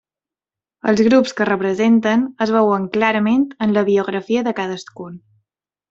Els grups que representen es veuen clarament en la biografia de cadascun.